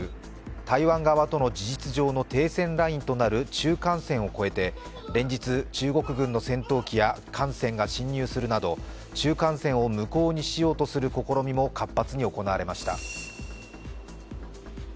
台湾側との事実上の停戦ラインとなる中間線を越えて連日、中国軍の戦闘機や艦船が浸入するなど中間線を無効にしようとする試みも活発に行われました。